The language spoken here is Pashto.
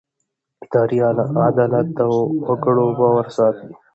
اداري عدالت د وګړو باور ساتي.